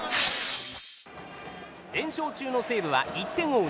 連勝中の西武は１点を追う